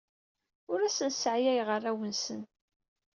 Ur asen-sseɛyayeɣ arraw-nsen.